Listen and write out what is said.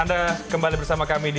anda kembali bersama kami di